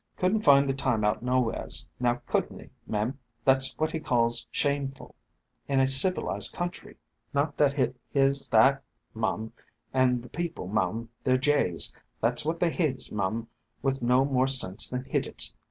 Could n't find the time out nowheres, now could n't 'e, mem? That 's wot Hi calls shameful in a civilized country, — not that hit his that, mum, — and the people, mum, they 're jays, that 's what they his, mum, with no more sense than hidjits